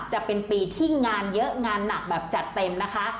จะเป็นปีที่งานเยอะงานหนักแบบจัดเต็มนะคะ